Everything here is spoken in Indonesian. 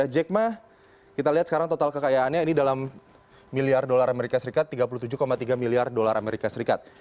jack ma kita lihat sekarang total kekayaannya ini dalam miliar dolar amerika serikat tiga puluh tujuh tiga miliar dolar amerika serikat